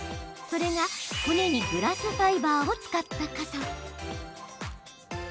それが骨にグラスファイバーを使った傘。